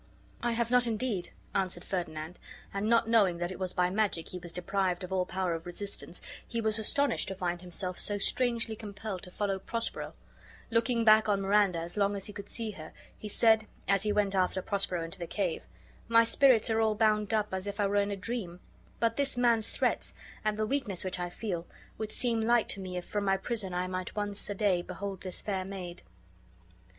"I have not indeed," answered Ferdinand; and not knowing that it was by magic he was deprived of all power of resistance, he was astonished to kind himself so strangely compelled to follow Prospero: looking back on Miranda as long as he could see her, he said, as he went after Prospero into the cave: "My spirits are all bound up as if I were in a dream; but this man's threats, and the weakness which I feel, would seem light to me if from my prison I might once a day behold this fair maid."